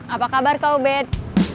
apa kabar koubet